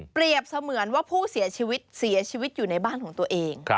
เสมือนว่าผู้เสียชีวิตเสียชีวิตอยู่ในบ้านของตัวเอง